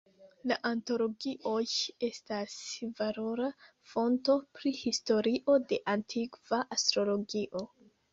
La antologioj estas valora fonto pri historio de antikva astrologio.